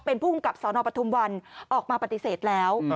เป็นผู้กำกับสนปทุมวันออกมาปฏิเสธแล้ว